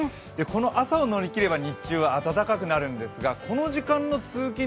この朝を乗り切れば、日中は暖かくなるんですがこの時間の通勤